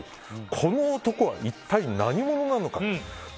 この男は何者なのか。